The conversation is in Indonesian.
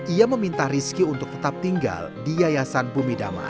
ia meminta rizky untuk tetap tinggal di yayasan bumi damai